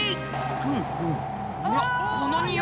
クンクン。